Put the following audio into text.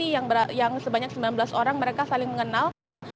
yang sebanyak sembilan belas orang mereka saling mengenal